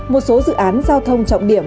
một số dự án giao thông trọng điểm